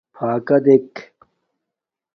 فݳکݳ دݵک.